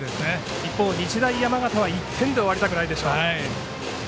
一方、日大山形は１点で終わりたくないでしょう。